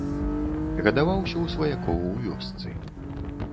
Гадаваўся ў сваякоў у вёсцы.